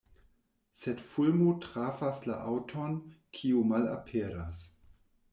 Sed fulmo trafas la aŭton, kiu malaperas.